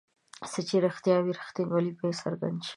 څه چې رښتیا وي رښتینوالی به یې راڅرګند شي.